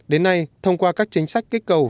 đến nay thông qua các chính sách kích cầu